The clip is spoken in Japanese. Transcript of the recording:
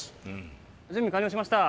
準備完了しました。